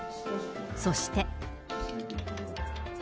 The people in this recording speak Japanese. そして。